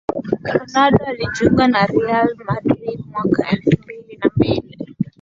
Ronaldo alijiunga na Reala Madrid mwaka elfu mbili na mbili